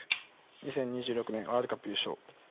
２０２６年ワールドカップ優勝。